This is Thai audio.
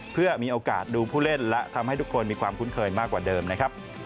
เพื่อมีโอกาสดูผู้เล่นและทำให้ทุกคนมีความคุ้นเคยมากกว่าเดิมนะครับ